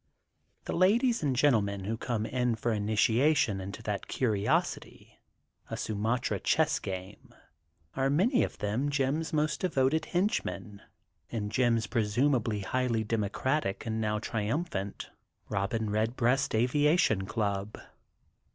The ladies and gentlemen who come in for initiation into that curiosity, a Sumatra chess game are many of them Jim's most devoted henchojen in Jim's presumably highly demo cratic and now triumphant Bobin Redbreast Aviation Club.